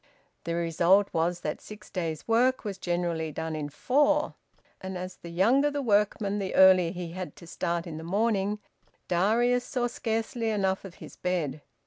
The result was that six days' work was generally done in four. And as the younger the workman the earlier he had to start in the morning, Darius saw scarcely enough of his bed.